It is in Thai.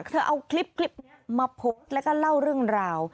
เธอเอาคลิปมาพกแล้วก็เล่าเรื่องราว